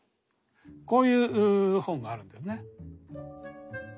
こういう本があるんですね。